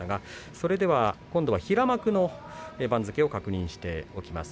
それでは今度は平幕の番付の確認をしておきます。